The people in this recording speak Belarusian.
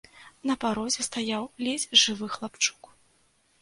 На парозе стаяў ледзь жывы хлапчук.